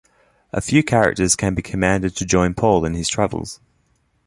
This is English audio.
A few characters can be commanded to join Paul in his travels.